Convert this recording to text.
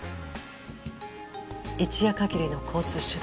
一夜限りの交通手段。